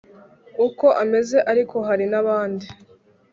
uko ameze ariko hari nabandi